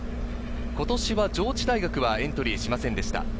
今年は上智大学はエントリーしませんでした。